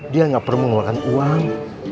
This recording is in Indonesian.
dia gak perlu ngeluarkan uang